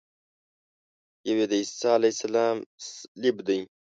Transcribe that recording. یو یې د عیسی علیه السلام صلیب دی.